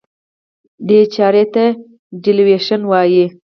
دې چارې ته Devaluation وایي.